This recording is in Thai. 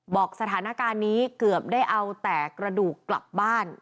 บอกสถานการณ์นี้เกือบได้เอาแต่กระดูกกลับบ้าน